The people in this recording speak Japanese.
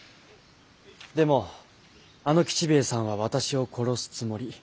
でもあの吉兵衛さんは私を殺すつもり。